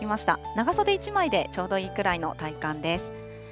長袖１枚でちょうどいいくらいの体感です。